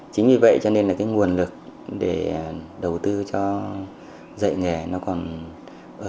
chính vì vậy cho nên nguồn lực để đầu tư cho dạy nghề còn ở